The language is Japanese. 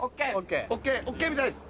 ＯＫＯＫみたいです。